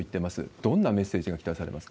どんなメッセージが期待されますか？